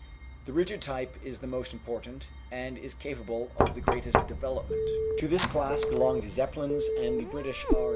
The rigid type is the most important and is capable of the greatest development. To this class belong the Zeppelins and the British R.